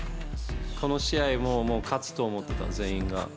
この試合も、もう勝つと思ってた、全員が。